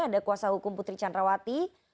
ada kuasa hukum putri candrawati